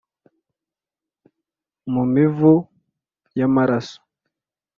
Mu mivu y’amaraso